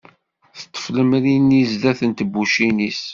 Teṭṭef lemri-nni sdat n tebbucin-is.